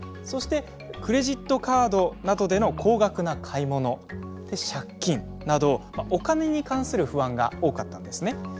そして「クレジットカードなどでの高額な買い物」「借金」などお金に関する不安が多かったんですね。